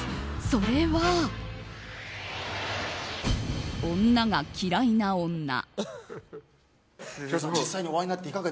それは女が嫌いな女。